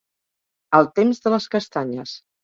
Al temps de les castanyes.